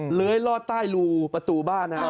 เหลื้อยลอดใต้รูประตูบ้านฮะ